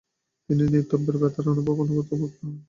তিনি নিতম্বের বাতের ব্যথায় ভুগতে থাকেন।